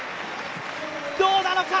どうなのか！